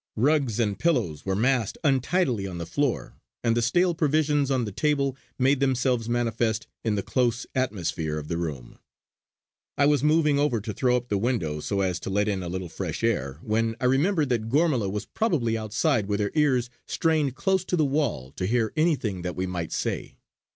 Rugs and pillows were massed untidily on the floor, and the stale provisions on the table made themselves manifest in the close atmosphere of the room. I was moving over to throw up the window so as to let in a little fresh air, when I remembered that Gormala was probably outside with her ears strained close to the wall to hear anything that we might say.